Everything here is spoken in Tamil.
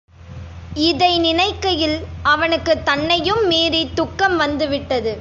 இதை நினைக்கையில் அவனுக்கு தன்னையும் மீறித் துக்கம் வந்து விட்டது.